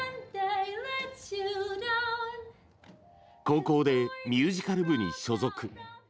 高校でミュージカル部に所属。